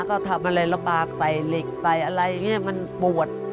เขาทำอะไรระบากใส่เหล็กใส่อะไรอย่างนี้มันปวด